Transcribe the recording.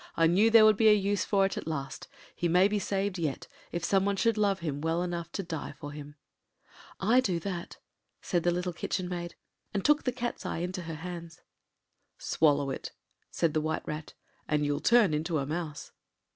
I knew there would be a use for it at last. He may be saved yet, if some one should love him well enough to die for him.” “I do that,” said the little Kitchen Maid, and took the Cat’s eye in her hands. “Swallow it,” said the White Rat, “and you’ll turn into a mouse.